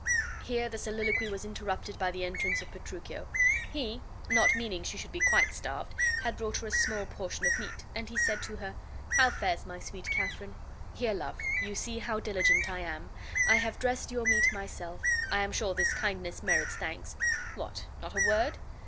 Here the soliloquy was interrupted by the entrance of Petruchio. He, not meaning she should be quite starved, had brought her a small portion of meat, and he said to her: "How fares my sweet Kate? Here, love, you see how diligent I am. I have dressed your meat myself. I am sure this kindness merits thanks. What, not a word?